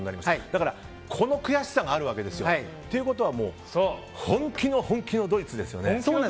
だからこの悔しさがあるわけですよ。ということは本気の本気のドイツですよね。